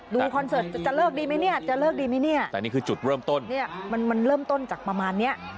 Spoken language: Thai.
เดี๋ยวคุยกันดีกว่า